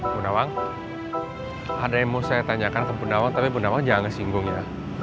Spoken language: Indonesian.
bu nawang ada yang mau saya tanyakan ke bu nawang tapi bu nawang jangan ngesinggung ya